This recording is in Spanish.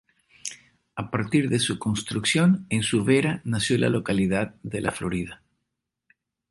A partir de su construcción, en su vera nació la localidad de La Florida.